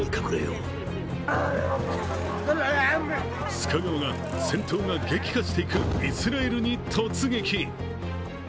須賀川が戦闘が激化していくイスラエルに突撃。